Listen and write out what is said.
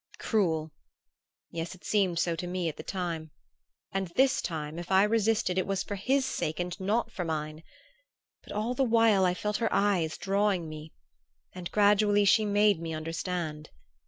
"Cruel? Yes, it seemed so to me at first; and this time, if I resisted, it was for his sake and not for mine. But all the while I felt her eyes drawing me, and gradually she made me understand.